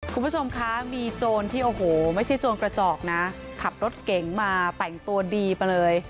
คุณผู้ชมคะมีโจรที่โอ้โหไม่ใช่โจรกระจอกนะขับรถเก๋งมาแต่งตัวดีไปเลย